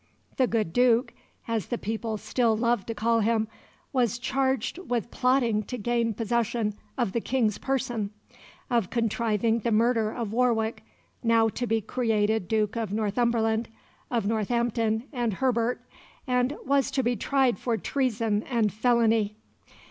"The good Duke," as the people still loved to call him, was charged with plotting to gain possession of the King's person, of contriving the murder of Warwick, now to be created Duke of Northumberland, of Northampton and Herbert, and was to be tried for treason and felony.